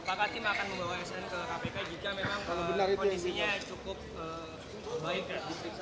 apakah tim akan membawa sn ke kpk jika memang kondisinya cukup baik